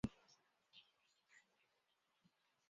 鼓山珠灵殿创建于日治时期大正十五年。